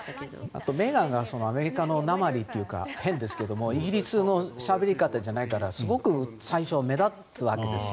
あとメーガンがアメリカのなまりというかイギリスのしゃべりじゃないからすごく最初は目立つわけです